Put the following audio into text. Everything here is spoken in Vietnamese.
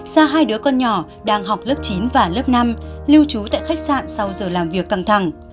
xa hai đứa con nhỏ đang học lớp chín và lớp năm lưu trú tại khách sạn sau giờ làm việc căng thẳng